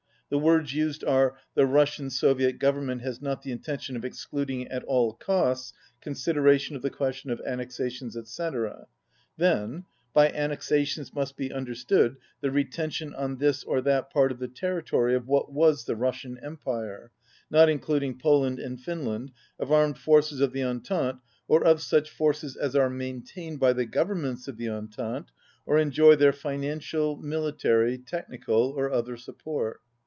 The words used are "The Russian Soviet Government has not the intention of excluding at all costs consideration of the ques tion of annexations, etc. ..." Then, "by an nexations must be understood the retention on this or that part of the territory of what was the Rus sian Empire, not including Poland and Finland, of armed forces of the Entente or of such forces as are maintained by the governments of the En tente or enjoy their financial, military, technical or other support."